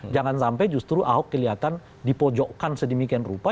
jangan sampai justru ahok kelihatan dipojokkan sedemikian rupa